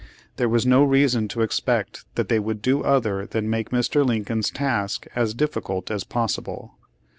There was no reason to expect that they would do other than make Mr. Lincoln's task as difficult as pos sible.